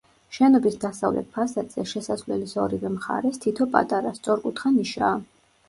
შენობის დასავლეთ ფასადზე, შესასვლელის ორივე მხარეს, თითო პატარა, სწორკუთხა ნიშაა.